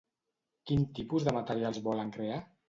Quin tipus de materials volen crear?